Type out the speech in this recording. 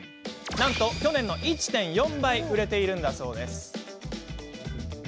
なんと去年の１．４倍売れているんだそうです。